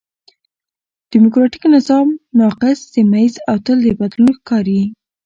ډيموکراټ نظام ناقص، سمیه ييز او تل د بدلون ښکار یي.